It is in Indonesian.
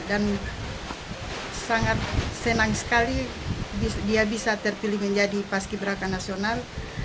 dan sangat senang sekali dia bisa terpilih menjadi pas kiberaika nasional